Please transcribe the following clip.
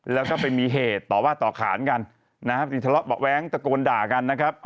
แล้วก็ไปมีเหตุต่อว่าต่อขานกันนะครับที่ทะเลาะเบาะแว้งตะโกนด่ากันนะครับ